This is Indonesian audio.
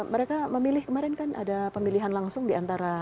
mereka memilih kemarin kan ada pemilihan langsung di antara